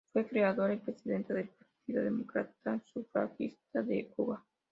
Fue creadora y presidenta del Partido Demócrata Sufragista de Cuba.